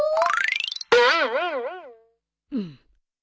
うん。